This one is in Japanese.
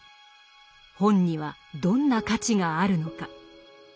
本にはどんな価値があるのか。